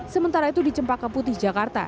sementara itu di cempaka putih jakarta